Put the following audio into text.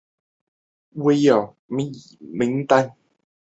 多伊彻的名字随后出现在了奥威尔名单上。